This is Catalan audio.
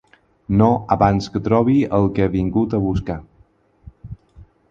No abans que trobi el que he vingut a buscar.